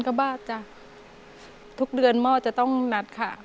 ๕๐๐๐ก็บ้าจ่าทุกเดือนมอดจะต้องหนัดค่ะ